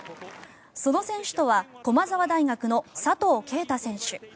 その選手とは駒澤大学の佐藤圭汰選手。